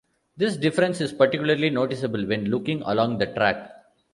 This difference is particularly noticeable when looking along the track.